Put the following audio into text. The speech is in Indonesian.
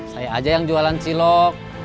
saya aja yang jualan cilok